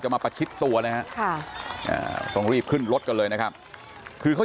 มาประชิดตัวนะฮะต้องรีบขึ้นรถกันเลยนะครับคือเขา